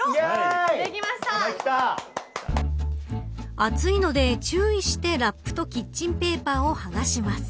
熱いので、注意してラップとキッチンペーパーを剥がします。